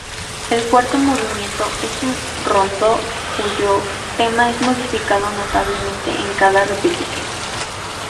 El cuarto movimiento es un rondó cuyo tema es modificado notablemente en cada repetición.